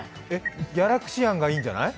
「ギャラクシアン」がいいんじゃない？